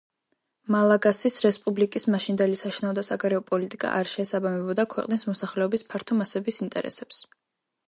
მალაგასის რესპუბლიკის მაშინდელი საშინაო და საგარეო პოლიტიკა არ შეესაბამებოდა ქვეყნის მოსახლეობის ფართო მასების ინტერესებს.